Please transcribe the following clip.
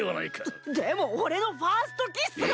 うっでも俺のファーストキッスが！